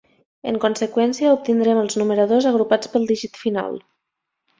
En conseqüència, obtindrem els numeradors agrupats pel dígit final.